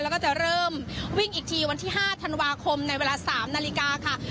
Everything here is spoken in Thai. แล้วก็จะเริ่มวิ่งอีกทีวันที่๕ธันวาคมในเวลา๓นาฬิกาค่ะ